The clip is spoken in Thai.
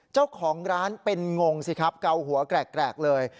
เจ้าของร้านเป็นงงสิครับเกาหัวแกรกเลย